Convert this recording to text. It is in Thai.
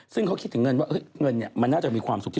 ซึ่งเขาคิดถึงเงินว่าเงินมันน่าจะมีความสุขที่สุด